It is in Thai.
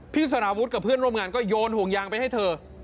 สารวุฒิกับเพื่อนร่วมงานก็โยนห่วงยางไปให้เธอ